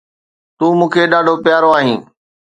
تون مون کي ڏاڍو پيارو آهين